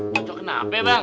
cocok kenapa bang